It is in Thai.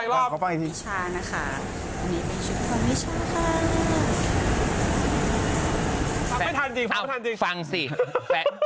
วันนี้เป็นชุดคนวิชาค่ะ